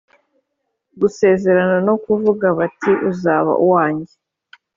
gusezerana no kuvuga bati: "uzaba uwanjye?"